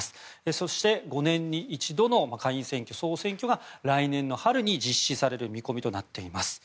そして５年に一度の下院選挙総選挙が来年の春に実施される見込みとなっています。